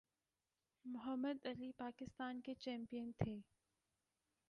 محمد Ali boxing کے champion تھے